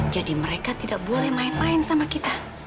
jadi mereka tidak boleh main main sama kita